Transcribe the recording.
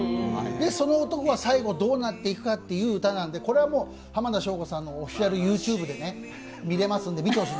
その男は最後どうなっていくかという歌なのでこれは浜田省吾さんのオフィシャルＹｏｕＴｕｂｅで見れますので見てほしい。